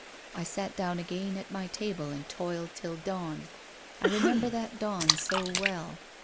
I sat down again at my table and toiled till dawn. I re member that dawn so well.